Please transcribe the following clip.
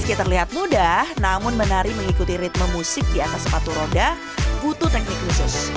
meski terlihat mudah namun menari mengikuti ritme musik di atas sepatu roda butuh teknik khusus